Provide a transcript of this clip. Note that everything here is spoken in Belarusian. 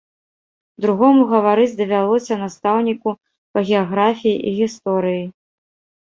Другому гаварыць давялося настаўніку па геаграфіі і гісторыі.